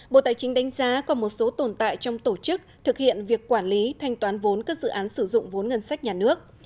bộ tài chính đánh giá có một số tồn tại trong tổ chức thực hiện việc quản lý thanh toán vốn các dự án sử dụng vốn ngân sách nhà nước